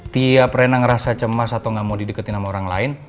tiap rena ngerasa cemas atau gak mau dideketin sama orang lain